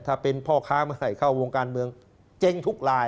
ถ้าเป็นพ่อค้าเมื่อไหร่เข้าวงการเมืองเจ๊งทุกลาย